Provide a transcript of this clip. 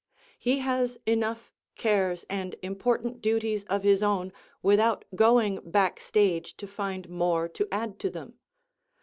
He has enough cares and important duties of his own without going back stage to find more to add to them.